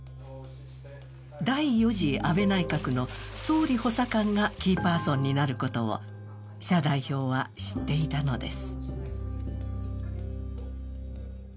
第４次安倍内閣の総理補佐官がキーパーソンになることを謝代表は知っていたのです。